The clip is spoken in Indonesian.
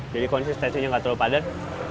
jadi konsistensinya gak terlalu padat